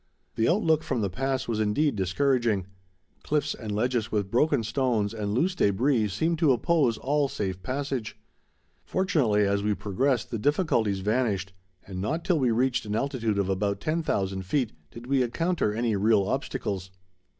The outlook from the pass was indeed discouraging. Cliffs and ledges with broken stones and loose debris seemed to oppose all safe passage. Fortunately, as we progressed the difficulties vanished, and not till we reached an altitude of about 10,000 feet did we encounter any real obstacles.